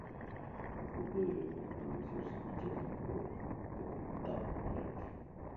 Al poco de anunciar su fichaje por Epitaph Rec.